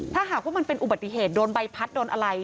ถ้าหากว่ามันเป็นอุบัติเหตุโดนใบพัดโดนอะไร